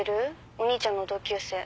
お兄ちゃんの同級生。